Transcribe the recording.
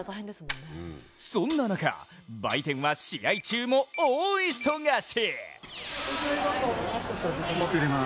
そんな中、売店は試合中も大忙し。